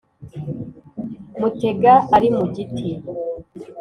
mutega ari mu giti,